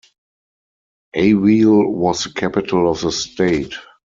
Aweil was the capital of the state.